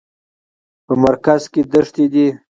په مرکز کې دښتې دي.